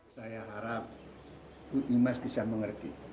saya harap bu imas bisa mengerti